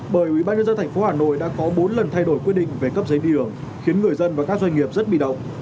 bởi ủy ban nhân dân thành phố hà nội đã có bốn lần thay đổi quyết định về cấp giấy đi đường khiến người dân và các doanh nghiệp rất bị động